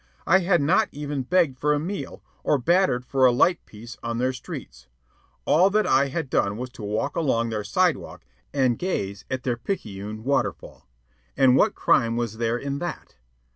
I had not even begged for a meal, or battered for a "light piece" on their streets. All that I had done was to walk along their sidewalk and gaze at their picayune waterfall. And what crime was there in that?